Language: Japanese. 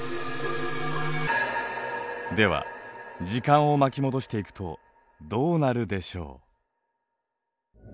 では時間を巻き戻していくとどうなるでしょう？